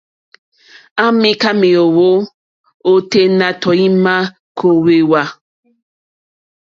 À mìká méèwó óténá tɔ̀ímá kòwèwà.